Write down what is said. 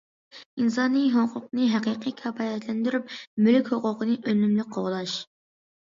ئىنسانىي ھوقۇقنى ھەقىقىي كاپالەتلەندۈرۈپ، مۈلۈك ھوقۇقىنى ئۈنۈملۈك قوغداش.